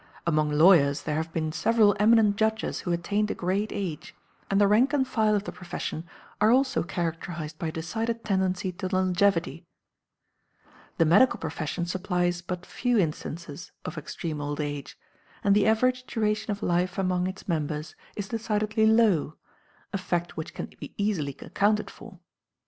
Among lawyers there have been several eminent judges who attained a great age, and the rank and file of the profession are also characterized by a decided tendency to longevity. The medical profession supplies but few instances of extreme old age, and the average duration of life among its members is decidedly low, a fact which can be easily accounted for.